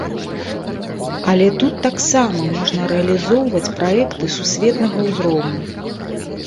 Але тут таксама можна рэалізоўваць праекты сусветнага ўзроўню.